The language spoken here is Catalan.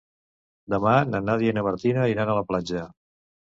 Demà na Nàdia i na Martina iran a la platja.